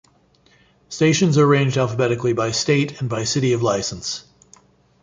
Stations are arranged alphabetically by state and by city of license.